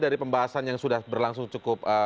dari pembahasan yang sudah berlangsung cukup